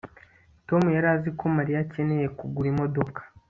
Tom yari azi ko Mariya akeneye kugura imodoka